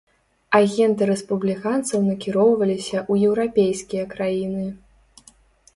Агенты рэспубліканцаў накіроўваліся ў еўрапейскія краіны.